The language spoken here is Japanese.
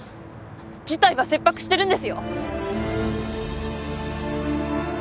事態は切迫してるんですよ